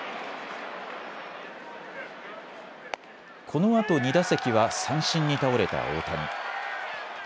このあと２打席は三振に倒れた大谷。